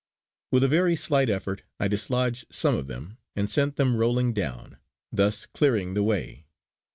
With a very slight effort I dislodged some of them and sent them rolling down, thus clearing the way.